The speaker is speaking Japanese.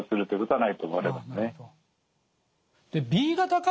はい。